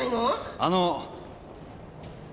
あの。